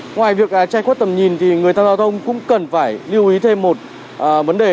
ngoài việc che khuất tầm nhìn thì người tham gia giao thông cũng cần phải lưu ý thêm một vấn đề